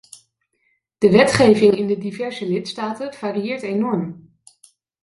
De wetgeving in de diverse lidstaten varieert enorm.